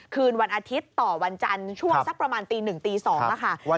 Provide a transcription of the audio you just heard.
คืนวันอาทิตย์ต่อวันจันทร์ช่วงสักประมาณตี๑ตี๒ค่ะ